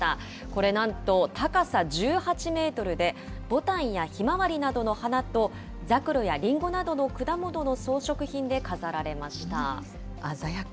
これなんと、高さ１８メートルで、ボタンやヒマワリなどの花と、ザクロやリンゴなどの果物の装飾品で飾られました。